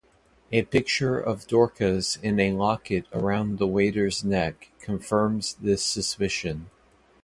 A picture of Dorcas in a locket around the waiter's neck confirms this suspicion.